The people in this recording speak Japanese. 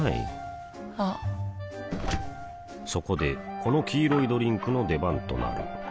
あっそこでこの黄色いドリンクの出番となる